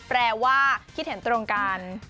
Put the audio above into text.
แปลว่าคิดเห็นตรงกัน